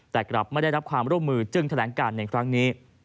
แต่กลับไม่ได้รับความร่วมมือจึงแถลงการในครั้งนี้